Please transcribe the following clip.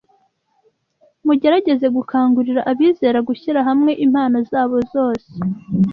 Mugerageze gukangurira abizera gushyira hamwe impano zabo zose